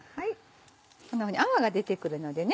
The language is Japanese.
こんなふうに泡が出てくるのでね